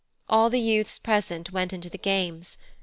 All the youths present went into the games.